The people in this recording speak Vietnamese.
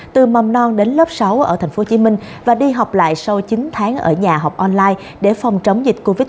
từ mầm non đến lớp sáu ở tp hcm và đi học lại sau chín tháng ở nhà học online để phòng chống dịch covid một mươi chín